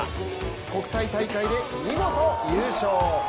国際大会で、見事優勝！